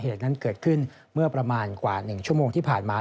นั้นเกิดขึ้นเมื่อประมาณกว่า๑ชั่วโมงที่ผ่านมา